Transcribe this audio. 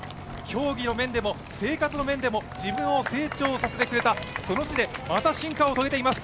競技の面でも生活の面でも自分を成長させてくれたその地でまた進化を遂げています。